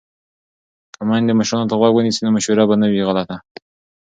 که میندې مشرانو ته غوږ ونیسي نو مشوره به نه وي غلطه.